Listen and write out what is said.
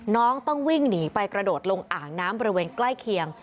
น้องต้องวิ่งหนีไปกระโดดลงอ่างน้ำบริเวณใกล้เคียง